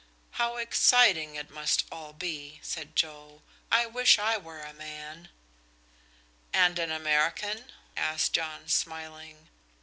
"How exciting it must all be," said Joe. "I wish I were a man!" "And an American?" asked John, smiling.